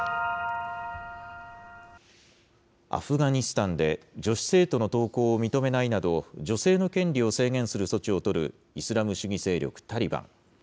アフガニスタンで、女子生徒の登校を認めないなど、女性の権利を制限する措置を取る、イスラム主義勢力タリバン。